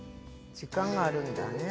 時間があるんだね。